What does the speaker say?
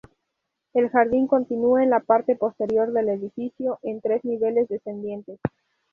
El jardín continúa en la parte posterior del edificio en tres niveles descendientes.